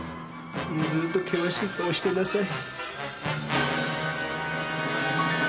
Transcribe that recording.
ずうっと険しい顔してなさい。